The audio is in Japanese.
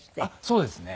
そうですね。